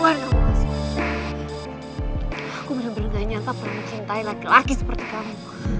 aku bener bener gak nyata pernah cintai laki laki seperti kamu